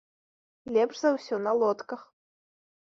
Лепш за ўсё на лодках.